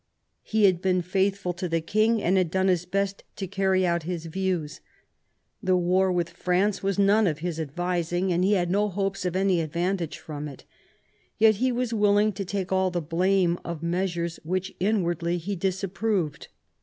He had been faithful to the king, and had done his best to carry out his views. 106 THOMAS WOLSEY chap. The war with France was none of his advising, and he had no hopes of any advantage from it ; yet he was willing to take all the blame of measures which inwardly he disapproved.